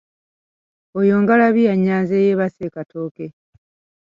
Eyo ngalabi ya Nyanzi eyeebase e Katooke.